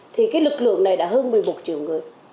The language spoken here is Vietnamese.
thì cái lực lượng này đã hơn một mươi một triệu người